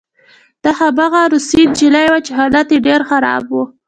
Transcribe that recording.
دا هماغه روسۍ نجلۍ وه چې حالت یې ډېر خراب و